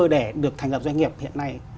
để được thành lập doanh nghiệp hiện nay